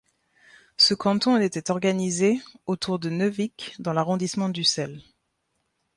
Ce canton était organisé autour de Neuvic dans l'arrondissement d'Ussel.